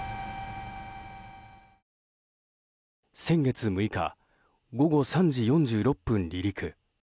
先月６日午後３時４６分離陸。